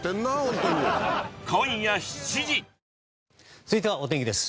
続いてはお天気です。